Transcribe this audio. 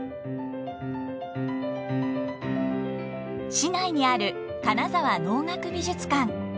市内にある金沢能楽美術館。